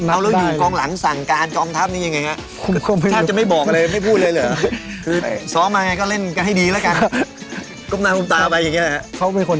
เอาแล้วอยู่กองหลังสั่งการกองทัพนี้ยังไงครับ